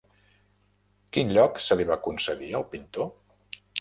Quin lloc se li va concedir al pintor?